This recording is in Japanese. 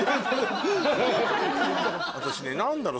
私ね何だろ？